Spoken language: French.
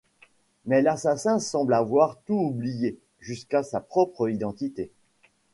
Mais l'assassin semble avoir tout oublié, jusqu'à sa propre identité.